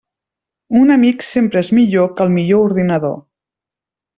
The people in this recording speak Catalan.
Un amic sempre és millor que el millor ordinador.